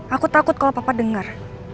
aku takut kalau papa dengar